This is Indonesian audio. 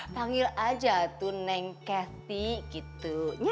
panggil aja tuh neng cathy gitu